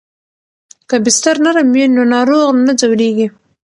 که بستر نرم وي نو ناروغ نه ځورېږي.